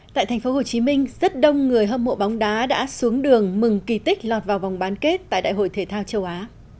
tại thành phố hồ chí minh rất đông người hâm mộ bóng đá đã xuống đường mừng kỳ tích lọt vào vòng bán kết tại đại hội thể thao châu á